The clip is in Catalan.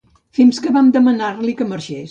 Fins que van demanar-li que marxés.